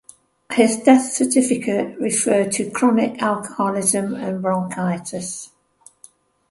His death certificate referred to chronic alcoholism and bronchitis.